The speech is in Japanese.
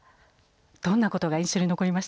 どんなことが印象に残りましたか？